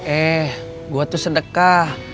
eh gua tuh sedekah